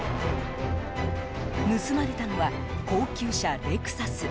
盗まれたのは高級車、レクサス。